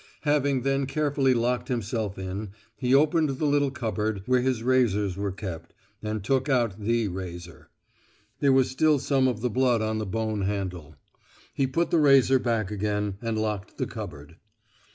Having then carefully locked himself in, he opened the little cupboard where his razors were kept, and took out "the" razor. There was still some of the blood on the bone handle. He put the razor back again, and locked the cupboard.